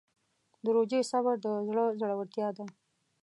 د روژې صبر د زړه زړورتیا ده.